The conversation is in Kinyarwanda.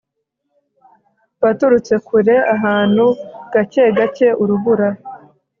waturutse kure, ahantu gake gake urubura